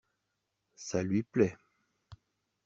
Ça lui plait.